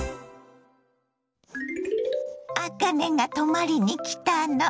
あかねが泊まりに来たの。